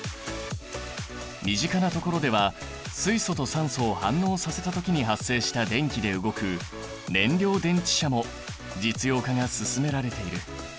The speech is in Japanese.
身近なところでは水素と酸素を反応させた時に発生した電気で動く燃料電池車も実用化が進められている。